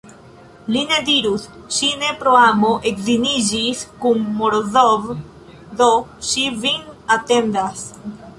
Li ne dirus: "ŝi ne pro amo edziniĝis kun Morozov, do ŝi vin atendas".